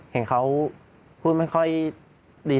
เห็นเขาพูดไม่ค่อยดีเท่าไร